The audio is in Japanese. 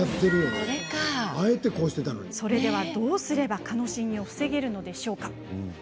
それでは、どうすれば蚊の侵入を防げるのでしょうか？